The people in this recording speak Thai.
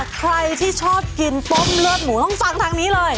ใครที่ชอบกินต้มเลือดหมูต้องฟังทางนี้เลย